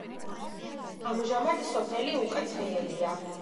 ამჟამად სოფელი უკაცრიელია.